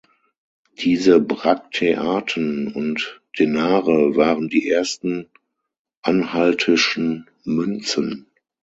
Diese Brakteaten und Denare waren die ersten anhaltischen Münzen.